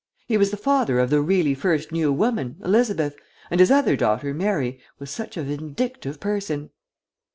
He was the father of the really first new woman, Elizabeth, and his other daughter, Mary, was such a vindictive person."